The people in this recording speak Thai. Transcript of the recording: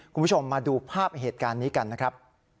คุณผู้ชมมาดูภาพเหตุการณ์นี้กันนะครับ